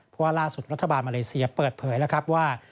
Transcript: เพราะว่าล่าสุดรัฐบาลมาเลเซียเปิดเผยแล้วครับว่า